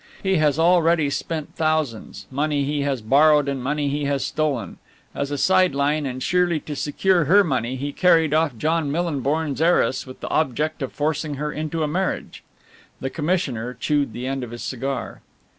He has already spent thousands, money he has borrowed and money he has stolen. As a side line and sheerly to secure her money he carried off John Millinborn's heiress with the object of forcing her into a marriage." The commissioner chewed the end of his cigar.